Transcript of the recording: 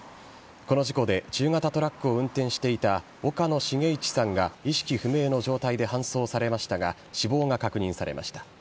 この事故で中型トラックを運転していた岡野重一さんが意識不明の状態で搬送されましたが死亡が確認されました。